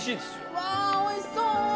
うわおいしそう！